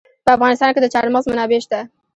په افغانستان کې د چار مغز منابع شته.